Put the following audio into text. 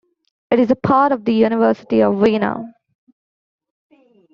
It is a part of the University of Vienna.